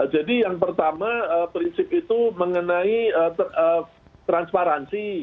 jadi yang pertama prinsip itu mengenai transparansi